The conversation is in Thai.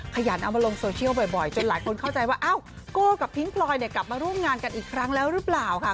ขยันเอามาลงโซเชียลบ่อยจนหลายคนเข้าใจว่าอ้าวโก้กับพิ้งพลอยเนี่ยกลับมาร่วมงานกันอีกครั้งแล้วหรือเปล่าค่ะ